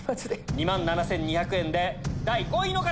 ２万７２００円で第５位の方！